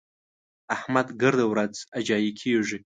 احمد ګرده ورځ اجايي کېږي.